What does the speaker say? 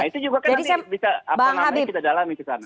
nah itu juga kan nanti bisa apa namanya kita dalami kesana